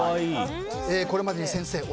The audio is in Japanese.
これまでに先生